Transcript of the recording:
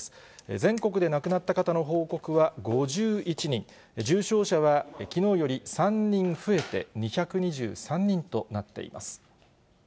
全国で亡くなった方の報告は５１人、重症者はきのうより３人増えて２２３人となっています。